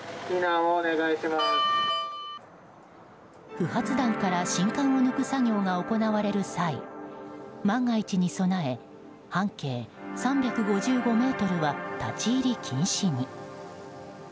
不発弾から信管を抜く作業が行われる際万が一に備え半径３５５ｍは立ち入り禁止に。